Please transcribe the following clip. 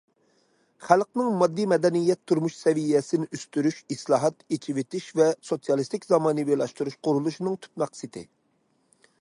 خەلقنىڭ ماددىي مەدەنىيەت تۇرمۇش سەۋىيەسىنى ئۆستۈرۈش ئىسلاھات، ئېچىۋېتىش ۋە سوتسىيالىستىك زامانىۋىلاشتۇرۇش قۇرۇلۇشىنىڭ تۈپ مەقسىتى.